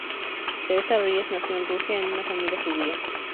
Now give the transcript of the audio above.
Teresa Ries nació en Rusia en una familia judía.